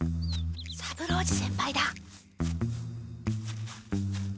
三郎次先輩だ。